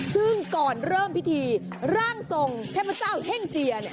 ซึ่งก่อนเริ่มพิธีร่างทรงเทพเจ้าเฮ่งเจียเนี่ย